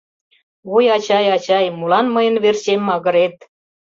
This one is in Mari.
Ой, ачай, ачай, молан мыйын верчем магырет?